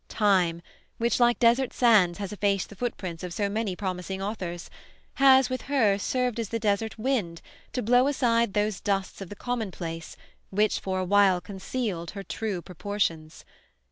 Time, which like desert sands has effaced the footprints of so many promising authors, has, with her, served as the desert wind, to blow aside those dusts of the commonplace which for a while concealed her true proportions.